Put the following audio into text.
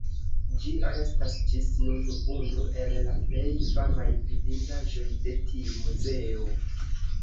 Ĝi restas ĝis nun unu el la plej famaj vidindaĵoj de tiu muzeo.